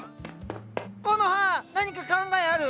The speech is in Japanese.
コノハ何か考えある？